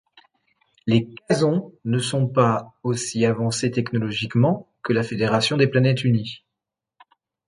Les Kazons ne sont pas aussi avancés technologiquement que la Fédération des planètes unies.